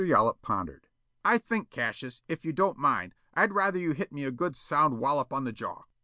Yollop pondered. "I think, Cassius, if you don't mind, I'd rather you'd hit me a good sound wollop on the jaw."